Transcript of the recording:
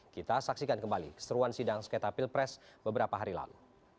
kita saksikan kembali keseruan sidang sengketa pilpres beberapa hari lalu